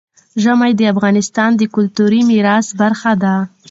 ژمی د افغانستان د کلتوري میراث برخه ده.